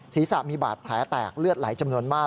ศีรษะมีบาดแผลแตกเลือดไหลจำนวนมาก